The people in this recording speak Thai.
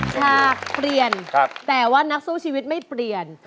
ฉากเปลี่ยนแต่ว่านักสู้ชีวิตไม่เปลี่ยน